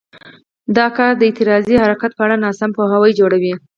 دا کار د اعتراضي حرکت په اړه ناسم پوهاوی جوړوي.